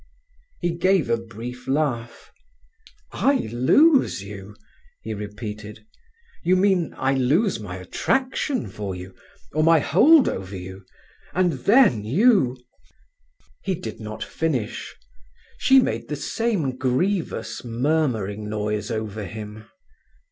He gave a brief laugh. "I lose you!" he repeated. "You mean I lose my attraction for you, or my hold over you, and then you—?" He did not finish. She made the same grievous murmuring noise over him.